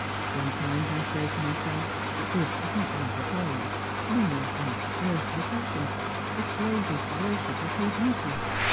Sometimes I say to myself that this is not love at all, only a base earthly passion, a slavish worship of her beauty.